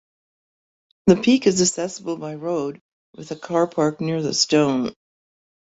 The peak is accessible by road, with a car park near the stone.